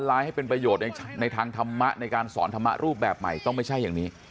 ร้ายให้เป็นประโยชน์ในทางธรรมะในการสอนธรรมะรูปแบบใหม่ต้องไม่ใช่อย่างนี้